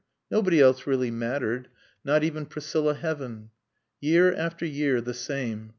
Nobody else really mattered, not even Priscilla Heaven. Year after year the same.